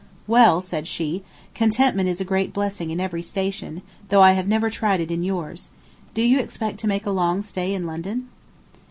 "Well," said she, "contentment is a great blessing in every station, though I have never tried it in yours. Do you expect to make a long stay in London?"